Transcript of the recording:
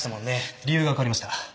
理由がわかりました。